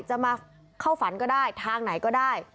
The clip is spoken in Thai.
จะมาเข้าฝันก็ได้ทางไหนก็ได้